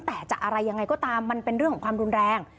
แต่จะอะไรยังไงก็ตามมันเป็นเรื่องของความรุนแรง